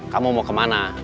kamu mau kemana